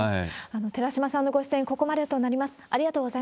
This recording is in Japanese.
寺嶋さんのご出演、ここまでとなります。